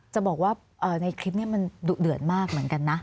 จะบอกว่าในคลิปนี้มันดุเดือดมากเหมือนกันนะ